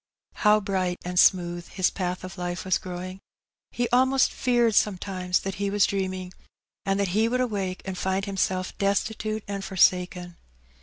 How bright and smooth his path of life was growing! He almost feared sometimes that he was> dreaming^ and that he would awake and find himself destitute and forsaken.